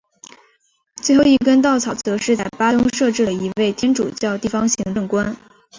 最后一根稻草则是在巴登设置了一位天主教地方行政官。